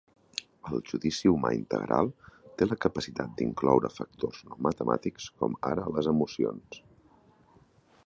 El judici humà integral té la capacitat d'incloure factors no matemàtics com ara les emocions.